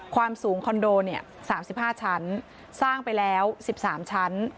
ความสูงคอนโด๓๕ชั้นสร้างไปแล้ว๑๓ชั้น